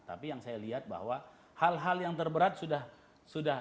tapi yang saya lihat bahwa hal hal yang terberat sudah